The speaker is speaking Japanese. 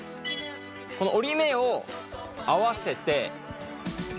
この折り目を合わせて。